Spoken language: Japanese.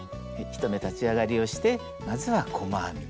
１目立ち上がりをしてまずは細編み。